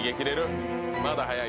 まだ早いよ。